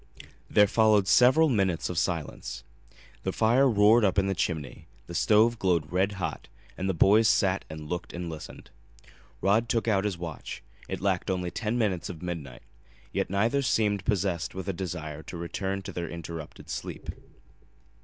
There followed several minutes of silence. The fire roared up the chimney, the stove glowed red hot and the boys sat and looked and listened. Rod took out his watch. It lacked only ten minutes of midnight. Yet neither seemed possessed with a desire to return to their interrupted sleep.